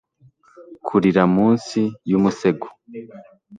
Kurira munsi y umusego